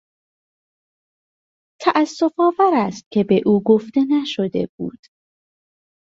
تاسف آور است که به او گفته نشده بود.